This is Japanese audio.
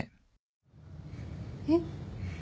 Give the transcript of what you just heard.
えっ？